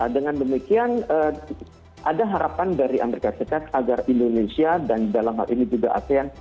dengan demikian ada harapan dari amerika serikat agar indonesia dan dalam hal ini juga asean